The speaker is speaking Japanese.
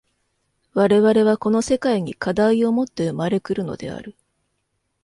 我々はこの世界に課題をもって生まれ来るのである。